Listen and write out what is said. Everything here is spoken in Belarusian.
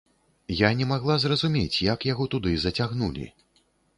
Я не магла зразумець, як яго туды зацягнулі.